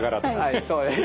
はいそうです。